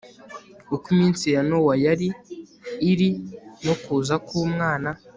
Uko iminsi ya Nowa yari iri no kuza kUmwana